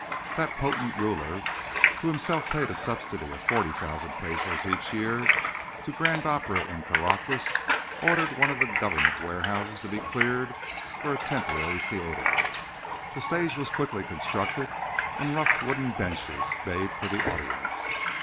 That potent ruler—who himself paid a subsidy of 40,000 pesos each year to grand opera in Caracas—ordered one of the Government warehouses to be cleared for a temporary theatre. A stage was quickly constructed and rough wooden benches made for the audience.